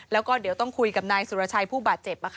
แล้วก็เดี๋ยวต้องคุยกับนายสุรชัยผู้บาดเจ็บ